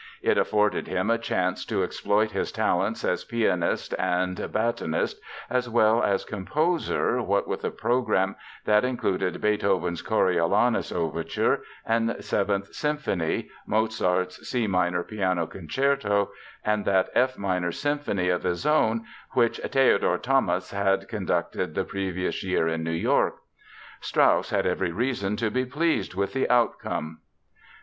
It afforded him a chance to exploit his talents as pianist and batonist as well as composer, what with a program that included Beethoven's Coriolanus Overture and Seventh Symphony, Mozart's C minor Piano Concerto and that F minor Symphony of his own which Theodore Thomas had conducted the previous year in New York. Strauss had every reason to be pleased with the outcome.